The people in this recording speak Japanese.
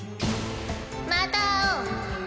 また会おう。